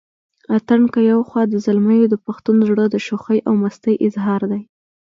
اتڼ که يو خوا د زلميو دپښتون زړه دشوخۍ او مستۍ اظهار دے